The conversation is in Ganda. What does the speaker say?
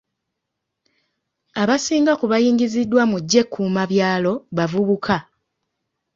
Abasinga ku baayingiziddwa mu ggye ekkuumabyalo bavubuka.